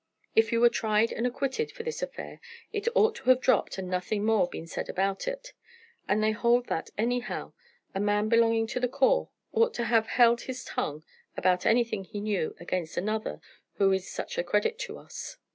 If you were tried and acquitted for this affair it ought to have dropped and nothing more been said about it, and they hold that anyhow a man belonging to the corps ought to have held his tongue about anything he knew against another who is such a credit to us."